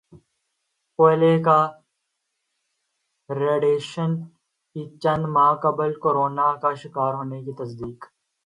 کلوئے Kardashian کی چند ماہ قبل کورونا کا شکار ہونے کی تصدیق